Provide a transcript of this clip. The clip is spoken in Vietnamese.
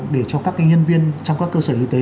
để cho các nhân viên trong các cơ sở y tế